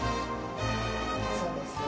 そうです。